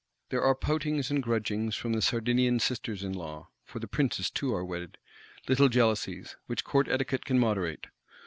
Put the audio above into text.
There are poutings and grudgings from the Sardinian Sisters in law (for the Princes too are wedded); little jealousies, which Court Etiquette can moderate.